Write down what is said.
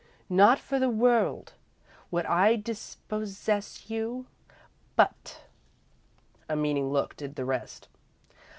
Not for the world would I dispossess you, but " A meaning look did the rest.